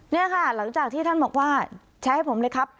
นี่ค่ะหลังจากที่ท่านบอกว่าแชร์ให้ผมเลยครับ